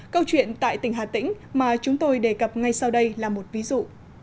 câu chuyện tại tỉnh hà tĩnh mà chúng tôi đề cập ngay sau đây là một ví dụ